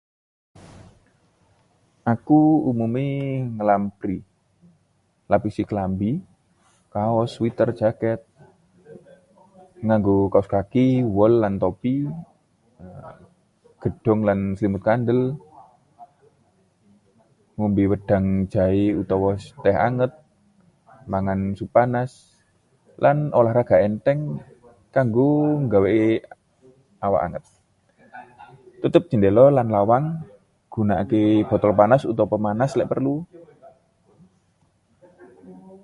Aku umume nglampri: lapisi klambi kaos, sweter, jaket. Nganggo kaos kaki wol lan topi, gedhong lan selimut kandel. Ngombe wedang jahe utawa teh anget, mangan sup panas, lan olahraga entheng kanggo ngegawe awak anget. Tutup jendhela lan lawang, gunakake botol panas utawa pemanas nek perlu.